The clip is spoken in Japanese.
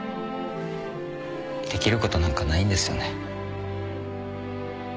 できることなんかないんですよね。